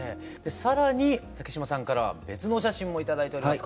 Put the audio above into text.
更に竹島さんからは別のお写真も頂いております。